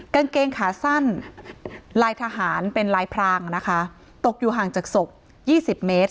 กางเกงขาสั้นลายทหารเป็นลายพรางนะคะตกอยู่ห่างจากศพยี่สิบเมตร